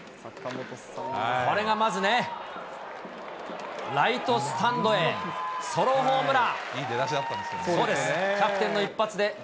これがまずね、ライトスタンドへ、ソロホームラン。